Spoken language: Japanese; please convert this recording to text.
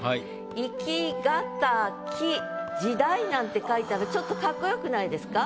「生き難き時代」なんて書いたらちょっとかっこよくないですか？